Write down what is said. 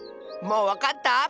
もうわかった？